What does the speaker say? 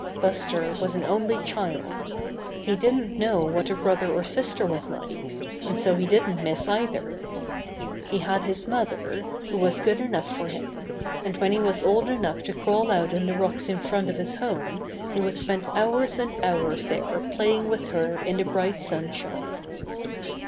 Buster was an only child. He didn't know what a brother or sister was like, and so he didn't miss either. He had his mother, who was good enough for him, and when he was old enough to crawl out on the rocks in front of his home he would spend hours and hours there playing with her in the bright sun shine.